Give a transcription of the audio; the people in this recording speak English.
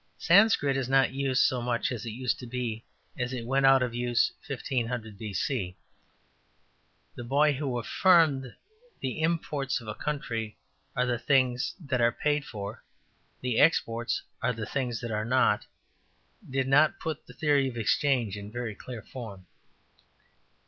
'' ``Sanscrit is not used so much as it used to be, as it went out of use 1500 B.C.'' The boy who affirmed that ``The imports of a country are the things that are paid for; the exports are the things that are not,'' did not put the Theory of Exchange in very clear form.